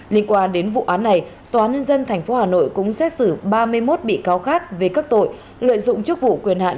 liên quan đến vụ án này tòa nhân dân tp hà nội cũng xét xử ba mươi một bị cáo khác về các tội lợi dụng chức vụ quyền hạn